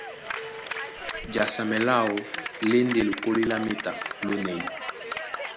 Jasamɛ láō lá e ndé lokólí lá méta lónɛ̌y.